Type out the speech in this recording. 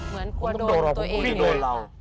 เหมือนกว่าโดดตัวเองเลย